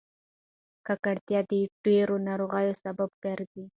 ککړتیا د ډېرو ناروغیو سبب ګرځي.